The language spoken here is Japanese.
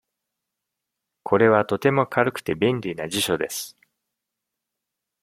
これはとても軽くて、便利な辞書です。